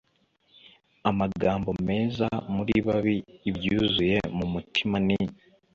amagambo meza muri babi ibyuzuye mu mutima ni